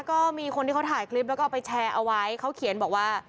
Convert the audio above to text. ก็มีคนที่เขาถ่ายคลิปแล้วก็เอาไปแชร์เอาไว้เขาเขียนบอกว่า